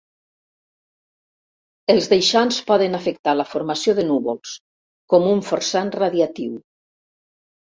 Els deixants poden afectar la formació de núvols, com un forçant radiatiu.